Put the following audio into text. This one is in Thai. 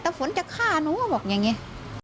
แต่ฝนจะฆ่าหนูก็บอกอย่างนี้